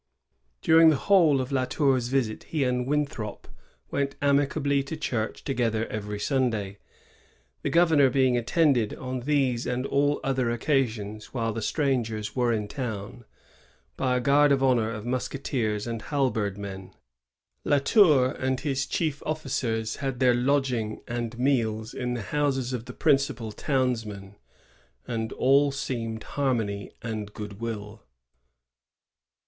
During the whole of La Tour's visit he and Winthrop went amicably to church together every Sunday, — the governor being attended, on these and all other occasions while the strangers were in town, by a guard of honor of musketeers and halberd men. La Tour and his chief officers had their lodging and meals in the houses of the principal townsmen, and all seemed harmony and good will.